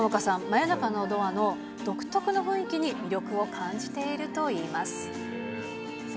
桃夏さん、真夜中のドアの独特な雰囲気に魅力を感じているといいます。